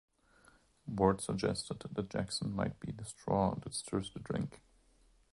Ward suggested that Jackson might be the straw that stirs the drink.